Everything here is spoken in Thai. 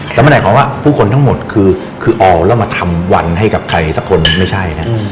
สำหรับไหนคำว่าผู้คนทั้งหมดคือเอาแล้วมาทำวันให้กับใครสักคนไม่ใช่เนี่ย